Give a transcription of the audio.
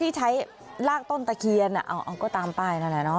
ที่ใช้ลากต้นตะเขียนะอ๋อก็ตามไปแล้วแหละ